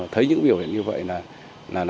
thấy những biểu hiện như vậy là